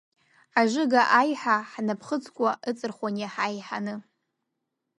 Ажыга аиҳагьы ҳнапхыцқәа иҵырхуаз иаҳа еиҳан.